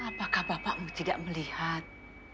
apakah bapakmu tidak melihat